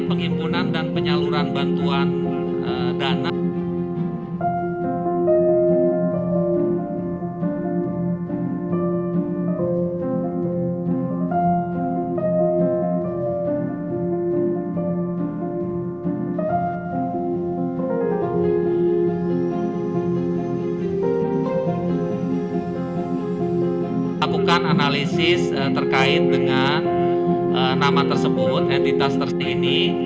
pembangunan pembangunan pembangunan